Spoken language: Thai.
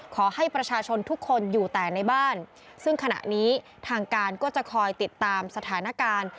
ขอให้ประชาชนทุกคนอยู่แต่ในบ้านซึ่งขณะนี้ทางการก็จะคอยติดตามสถานการณ์